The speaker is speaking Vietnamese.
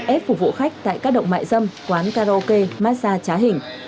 ép phục vụ khách tại các động mại dâm quán karaoke massage trá hình